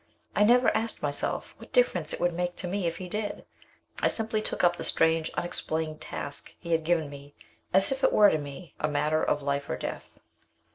I never asked myself what difference it would make to me if he did. I simply took up the strange unexplained task he had given me as if to me it were a matter of life or death.